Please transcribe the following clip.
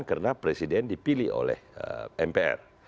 karena presiden dipilih oleh mpr